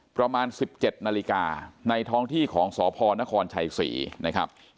ประมาณ๑๗นาฬิกาในท้องที่ของสพชัยศรี